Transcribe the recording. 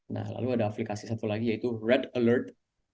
nah lalu ada aplikasi satu lagi yaitu red alert